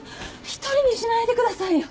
一人にしないでくださいよ。